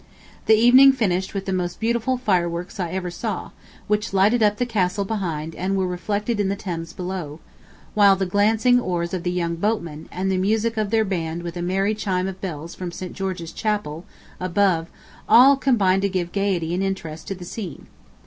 The evening finished with the most beautiful fireworks I ever saw, which lighted up the Castle behind and were reflected in the Thames below, while the glancing oars of the young boatmen, and the music of their band with a merry chime of bells from St. George's Chapel, above, all combined to give gayety and interest to the scene.